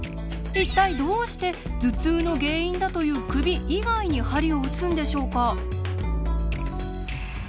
一体どうして頭痛の原因だという首以外に鍼をうつんでしょうか。